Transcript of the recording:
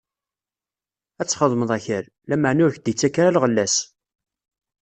Ad txeddmeḍ akal, lameɛna ur k-d-ittak ara lɣella-s.